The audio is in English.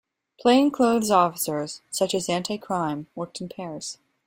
Plain clothes officers, such as anti-crime, worked in pairs.